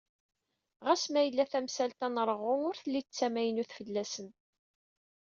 Ɣas mayella tamsalt-a n rɣu ur telli d tamaynut fell-asen.